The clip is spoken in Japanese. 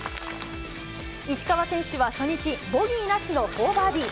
石川選手は初日、ボギーなしの４バーディー。